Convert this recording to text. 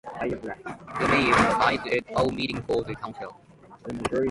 The Mayor presides at all meetings of the Council.